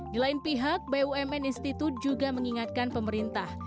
di lain pihak bumn institut juga mengingatkan pemerintah